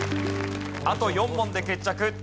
あと４問で決着。